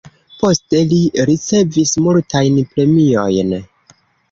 Poste li ricevis multajn premiojn.